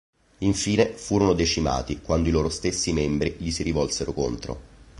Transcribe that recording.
Infine furono decimati quando i loro stessi membri gli si rivolsero contro.